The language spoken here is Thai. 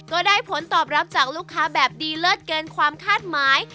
ก็ได้ผลตอบรับจากลูกค้าแบบดีเลิศเกินความคาดหมาย